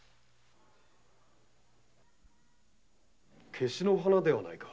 ケシの花ではないか？